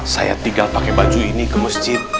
saya tinggal pakai baju ini ke masjid